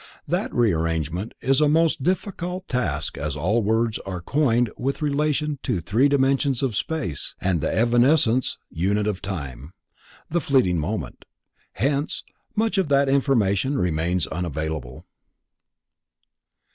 That rearrangement is a most difficult task as all words are coined with relation to the three dimensions of space and the evanescent unit of time, the fleeting moment, hence much of that information remains unavailable.